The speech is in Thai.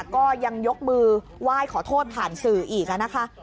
ก็ยังยกมือไหว้ขอโทษผ่านสื่ออีกนะคะ